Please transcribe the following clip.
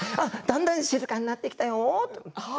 だんだん静かになってきたよって。